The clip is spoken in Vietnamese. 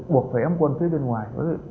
buộc phải ém quân phía bên ngoài